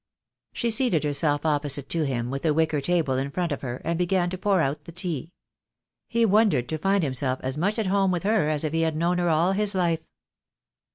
She seated herself opposite to him with a wicker table in front of her, and began to pour out the tea. He wondered to find himself as much at home with her as if he had known her all his life.